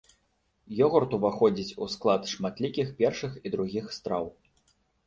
Ёгурт уваходзіць у склад шматлікіх першых і другіх страў.